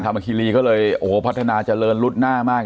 คีรีก็เลยโอ้โหพัฒนาเจริญรุดหน้ามาก